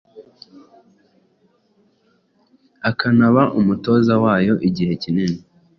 akanaba umutoza wayo igihe kinini